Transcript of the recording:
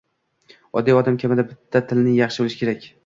Oddiy odam kamida bitta tilni yaxshi bilishi kerak